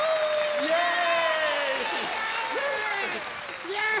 イエーイ！